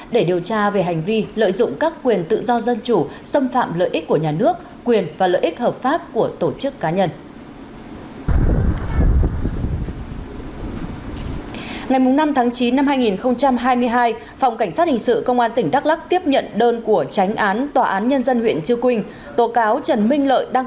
để điều tra về hành vi lợi dụng các quyền tự do dân chủ xâm phạm lợi ích của nhà nước quyền và lợi ích hợp pháp của tổ chức cá nhân